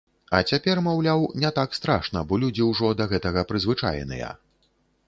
А цяпер, маўляў, не так страшна, бо людзі ўжо да гэтага прызвычаеныя.